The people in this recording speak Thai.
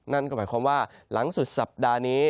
นั่นก็หมายความว่าหลังสุดสัปดาห์นี้